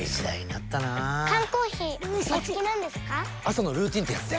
朝のルーティンってやつで。